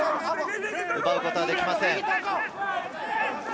奪うことはできません。